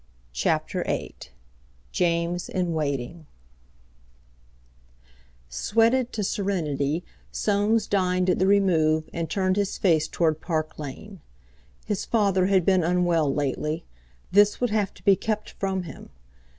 CHAPTER VIII JAMES IN WAITING Sweated to serenity, Soames dined at the Remove and turned his face toward Park Lane. His father had been unwell lately. This would have to be kept from him!